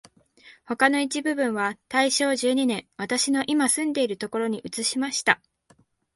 他の一部分は大正十二年、私のいま住んでいるところに移しました